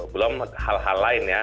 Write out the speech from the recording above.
belum hal hal lain ya